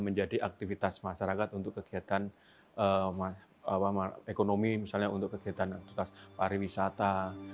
menjadi aktivitas masyarakat untuk kegiatan ekonomi misalnya untuk kegiatan aktivitas pariwisata